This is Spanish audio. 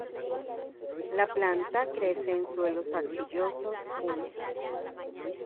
La planta crece en suelos arcillosos húmedos.